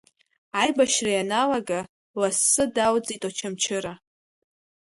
Аибашьра ианалага, лассы далҵит Очамчыра.